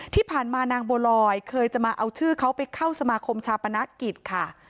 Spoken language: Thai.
ที่ผ่านมานางบัวลอยเคยจะมาเอาชื่อเขาไปเข้าสมาคมชาปนกิจค่ะ